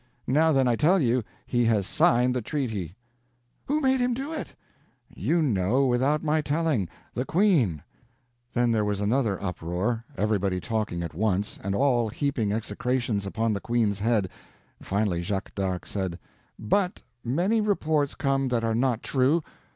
Now, then, I tell you he has signed the treaty." "Who made him do it?" "You know, without my telling. The Queen." Then there was another uproar—everybody talking at once, and all heaping execrations upon the Queen's head. Finally Jacques d'Arc said: "But many reports come that are not true.